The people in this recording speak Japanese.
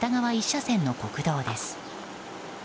１車線の国道です。